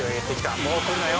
もう来るなよ！